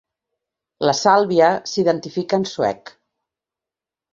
La Sàlvia s'identifica en suec.